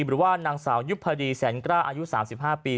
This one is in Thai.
หรือว่านางสาวยุปฎีแสนกล้าอายุสามสิบห้าปี